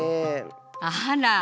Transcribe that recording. あら！